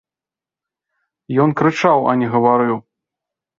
Ён крычаў, а не гаварыў.